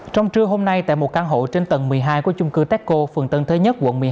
trong trưa hôm nay tại một căn hộ trên tầng một mươi hai của chung cư tecco phường tân thới nhất quận một mươi hai